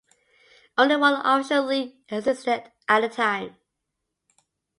Only one official league existed at the time.